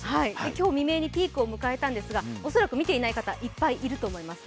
今日未明にピークを迎えたんですが、恐らく見ていない方、いっぱいいると思います。